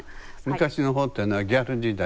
昔の方というのはギャル時代？